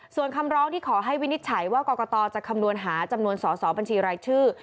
ส่วนคำร้องที่ขอให้วินิจฉัยว่ากรกตจะคำนวณหาจำนวนสอสอบัญชีรายชื่อ